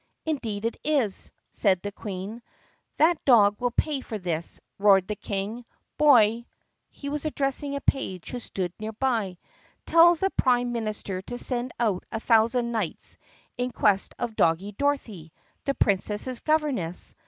"Indeed it is!" said the Queen. "That dog will pay for this!" roared the King. "Boy" — he was addressing a page who stood near by — "tell the prime minister to send out a thousand knights in quest of Doggie Dorothy, the Princess's governess!